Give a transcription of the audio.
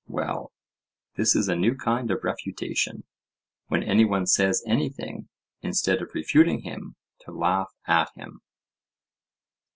Well, this is a new kind of refutation,—when any one says anything, instead of refuting him to laugh at him.